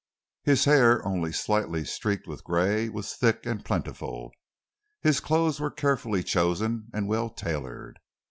His hair, only slightly streaked with grey, was thick and plentiful. His clothes were carefully chosen and well tailored.